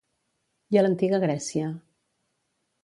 I a l'antiga Grècia?